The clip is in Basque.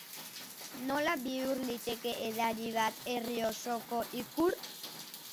Nola bihur liteke edari bat herri osoko ikur?